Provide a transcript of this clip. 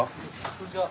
こんにちは。